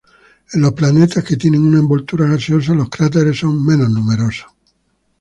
En los planetas que tienen una envoltura gaseosa los cráteres son menos numerosos.